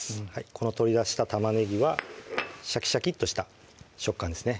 この取り出した玉ねぎはシャキシャキッとした食感ですね